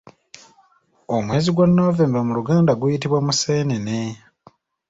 Omwezi gwa November mu luganda guyitibwa Museenene.